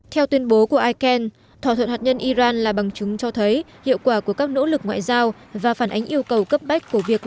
theo tuyên bố của icel thỏa thuận hạt nhân iran là bằng chứng cho thấy hiệu quả của các nỗ lực ngoại giao và phản ánh yêu cầu cấp bách của việc